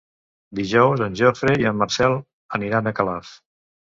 Dijous en Jofre i en Marcel aniran a Calaf.